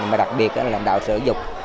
mà đặc biệt là lãnh đạo sở dục